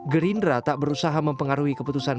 gerindra tak berusaha mempengaruhi keputusan